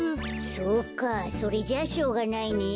そうかそれじゃあしょうがないね。